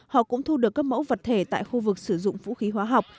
họ cũng thu được các mẫu vật thể tại khu vực sử dụng vũ khí hóa học